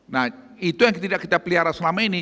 nah itu yang tidak kita pelihara selama ini